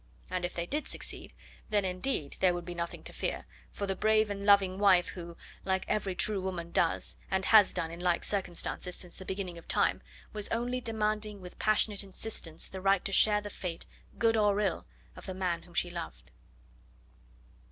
And if they did succeed, then indeed there would be nothing to fear, for the brave and loving wife who, like every true woman does, and has done in like circumstances since the beginning of time, was only demanding with passionate insistence the right to share the fate, good or ill, of the man whom she loved.